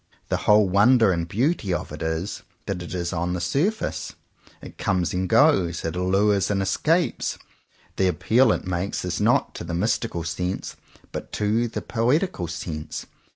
The whole wonder and beauty of it is that it is on the surface. It comes and goes. It allures and escapes. The appeal it makes is not to the mystical sense, but to the poetical sense.